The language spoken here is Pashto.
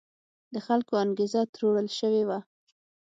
د خلکو انګېزه تروړل شوې وه.